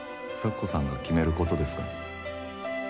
咲子さんが決めることですから。